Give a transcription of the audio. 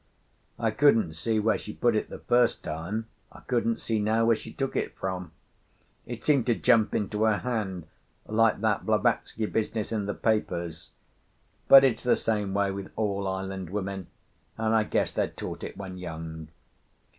I couldn't see where she put it the first time, I couldn't see now where she took it from; it seemed to jump into her hand like that Blavatsky business in the papers. But it's the same way with all island women, and I guess they're taught it when young.